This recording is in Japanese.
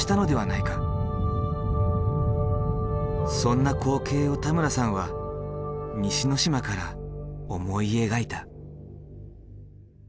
そんな光景を田村さんは西之島から思い描いた。